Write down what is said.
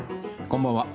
こんばんは。